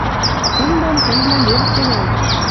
Кын дон кӹлвлӓм вел севӓл.